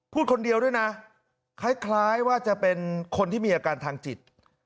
พูดคนเดียวด้วยนะคล้ายว่าจะเป็นคนที่มีอาการทางจิต